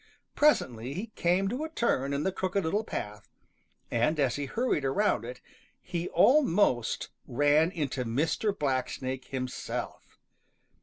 Presently he came to a turn in the Crooked Little Path, and as he hurried around it, he almost ran into Mr. Blacksnake himself.